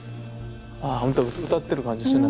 ああほんと歌ってる感じですよね